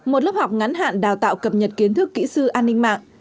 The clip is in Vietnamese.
một lớp học ngắn hạn đào tạo cập nhật kiến thức kỹ sư an ninh mạng